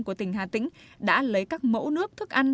của tỉnh hà tĩnh đã lấy các mẫu nước thức ăn